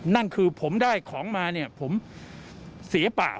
นั่นคือผมได้ของมาเนี่ยผมเสียเปล่า